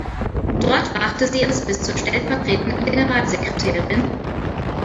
Dort brachte sie es bis zur stellvertretenden Generalsekretärin.